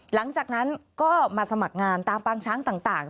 หลังจากนั้นก็มาสมัครงานตามปางช้างต่าง